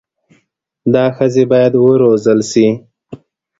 دا ښځي بايد و روزل سي